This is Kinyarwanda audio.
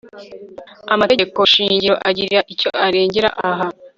amategeko shingiro agira icyo arengera aha